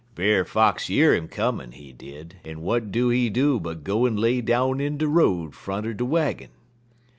Brer Fox year 'im comin', he did, en w'at do he do but go en lay down in de road front er de waggin.